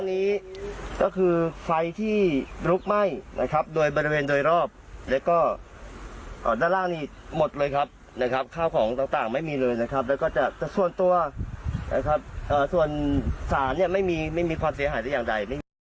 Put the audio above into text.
อีกบันทยังคงไม่มีความเสียหายอย่างดัย